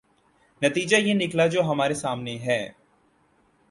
نتیجہ یہ نکلا جو ہمارے سامنے ہے۔